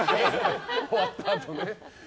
終わったあとね。